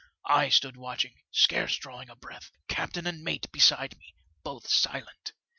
I stood watching, scarce drawing a breath, captain and mate beside me, both silent.